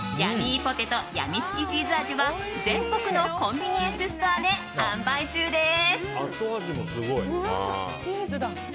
やみつきチーズ味は全国のコンビニエンスストアで販売中です。